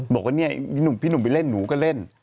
บอกว่าเนี่ยพี่หนุ่มไปเล่นหนูก็เล่น